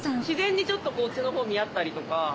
自然にちょっとこっちの方みあったりとか。